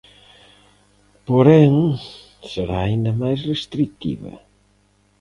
Porén, será aínda máis restritiva.